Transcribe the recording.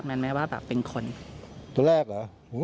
ไม่มีอ่ะพี่